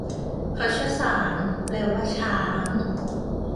คชสาร แปลว่าช้าง